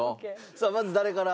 さあまず誰から？